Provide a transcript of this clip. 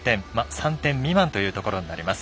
３点未満というところになります。